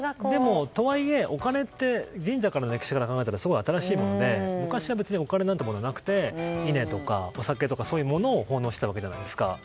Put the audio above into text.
でも、とはいえお金って神社の歴史から考えたらすごい新しいもので昔はお金とかはなくて稲とかお酒とかそういうものを奉納してたわけじゃないですか。